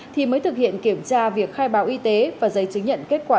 thì mới thực hiện kiểm tra việc khai báo y tế và giấy chứng nhận kết quả